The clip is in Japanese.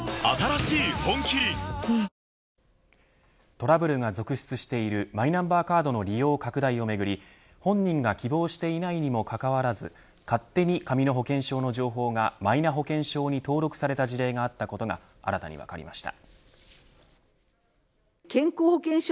トラブルが続出しているマイナンバーカードの利用拡大をめぐり本人が希望していないにもかかわらず勝手に紙の保険証の情報がマイナ保険証に登録された事例があったことが新たに分かりました。